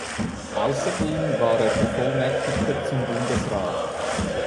Außerdem war er Bevollmächtigter zum Bundesrat.